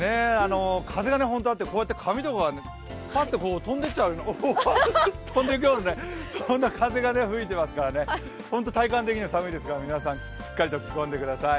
風が本当にあって、紙とかが飛んでいくようなそんな風が吹いていますからね、本当に体感的には寒いですから皆さん、しっかりと着込んでください。